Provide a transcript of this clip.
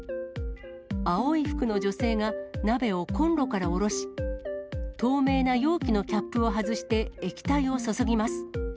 青い服の女性が、鍋をこんろから下ろし、透明な容器のキャップを外して液体を注ぎます。